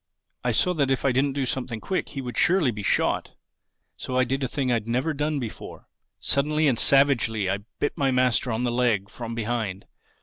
I saw that if I didn't do something quick he would surely be shot. So I did a thing I've never done before: suddenly and savagely I bit my master in the leg from behind.